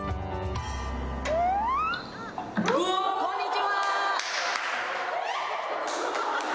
こんにちは！